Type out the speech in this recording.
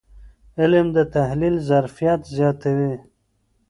علم د تحلیل ظرفیت زیاتوي.